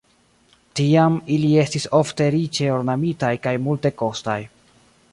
Tiam ili estis ofte riĉe ornamitaj kaj multekostaj.